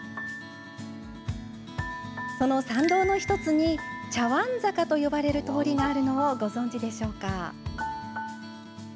その参道の１つに茶わん坂と呼ばれる通りがあるのをご存じでしょうか？